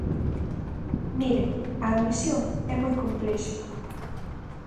Mire, a admisión é moi complexa.